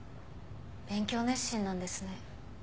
勉強熱心なんですね。